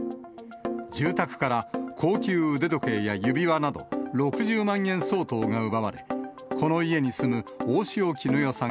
住宅から高級腕時計や指輪など、６０万円相当が奪われ、この家に住む大塩衣与さん